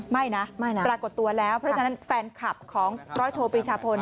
ไม่นะไม่นะปรากฏตัวแล้วเพราะฉะนั้นแฟนคลับของร้อยโทปรีชาพล